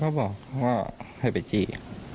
เขาบอกว่าให้ไปจี้